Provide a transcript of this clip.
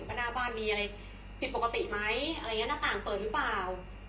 บ้านหน้าบ้านมีอะไรผิดปกติไหมนาต่างออกหรือเปล่า